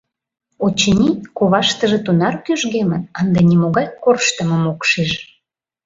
Очыни, коваштыже тунар кӱжгемын, ынде нимогай корштымым ок шиж.